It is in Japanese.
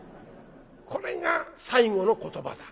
これが最期の言葉だ。